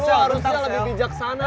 eh lo harusnya lebih bijaksana